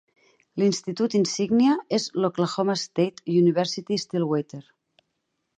L'institut insígnia és l'Oklahoma State University-Stillwater.